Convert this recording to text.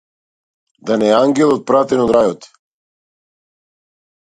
Да не е ангелот пратен од рајот.